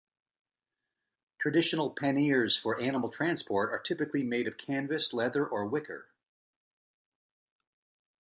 Traditional panniers for animal transport are typically made of canvas, leather, or wicker.